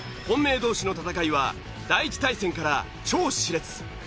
本命同士の戦いは第１対戦から超熾烈。